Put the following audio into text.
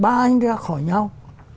ba anh ra khỏi nhau